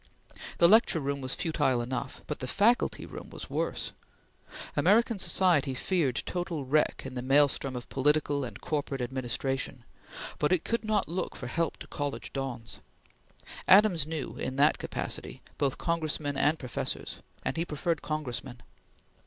The lecture room was futile enough, but the faculty room was worse. American society feared total wreck in the maelstrom of political and corporate administration, but it could not look for help to college dons. Adams knew, in that capacity, both Congressmen and professors, and he preferred Congressmen.